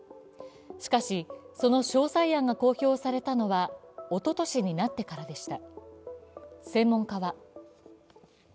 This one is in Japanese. しかし、その詳細案が公表されたのはおととしになってからでした。